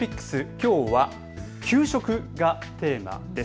きょうは給食がテーマです。